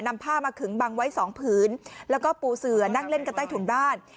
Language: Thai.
ผ้ามาขึงบังไว้สองผืนแล้วก็ปูเสือนั่งเล่นกันใต้ถุนบ้าน